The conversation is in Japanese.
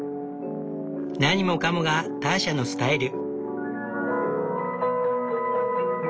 何もかもがターシャのスタイル。